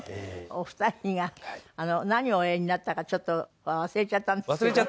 お二人が何をおやりになったかちょっと忘れちゃったんですけど。